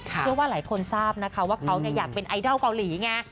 เชื่อว่าหลายคนทราบนะคะว่าเขาอยากเป็นไอดอลเกาหลีไง